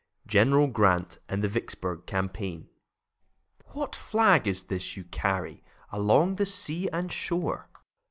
GENERAL GRANT AND THE VICKSBURG CAMPAIGN What flag is this you carry Along the sea and shore?